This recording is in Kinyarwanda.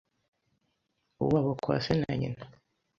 wabo kwa se na nyina.